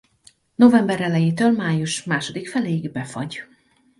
November elejétől május második feléig befagy.